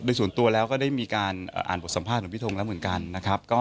โดยส่วนตัวแล้วก็ได้มีการอ่านบทสัมภาษณ์ของพี่ทงแล้วเหมือนกันนะครับ